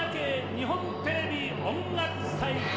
日本テレビ音楽祭。